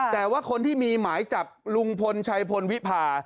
แต่ว่าคนที่มีหมายจับลุงพลชัยพลวิพา